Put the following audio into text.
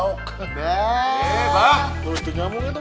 eh pak belum nyambung itu pak